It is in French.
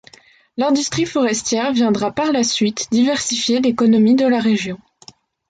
L'industrie forestière viendra par la suite diversifier l'économie de la région.